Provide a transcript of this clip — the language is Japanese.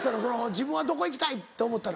自分はどこ行きたいって思ったの？